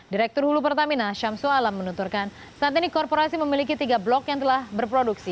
direktur hulu pertamina syamsul alam menunturkan saat ini korporasi memiliki tiga blok yang telah berproduksi